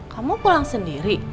kamu pulang sendiri